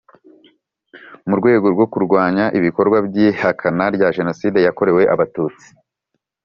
Mu rwego rwo kurwanya ibikorwa by ihakana rya Jenoside yakorewe Abatutsi